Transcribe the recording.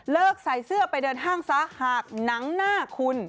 ใส่เสื้อไปเดินห้างซะหากหนังหน้าคุณ